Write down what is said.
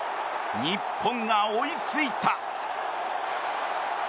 日本が追いついた。